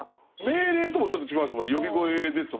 命令ともちょっと違います